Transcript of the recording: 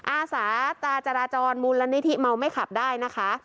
อาสาตาจราจรมูลนิธิเมาไม่ขับได้นะคะ